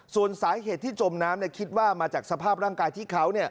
ส่วนสาเหตุที่จมน้ำคิดว่ามาจากสภาพร่างกายที่เขา